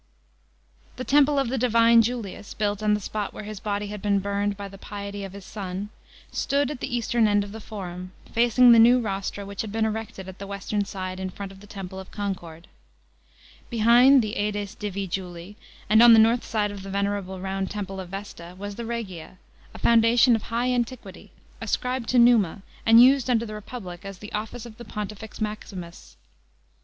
The Temple of the divine Julius, built on the spot where his body had been burned by the piety of his son, stood at the eastern end of the Forum, facing the new rostra which had been erected at the western side in front of the Temple of Concord. Behind the JiMes Pivi Julii and on the north side of the venerable round Temple of Vesta, was the Regia, a foundation of high antiquity, ascribed * The Curia is DOW San Aflrff*10 27 B.C. 14 A.D. THE FORUM. 143 to Numa, and used under the Republic as the office of the Pontifex Maxim us.